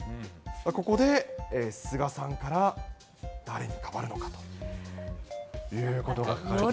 ここで菅さんから誰に代わるのかということが書かれています。